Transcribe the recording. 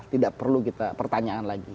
tidak perlu kita pertanyaan lagi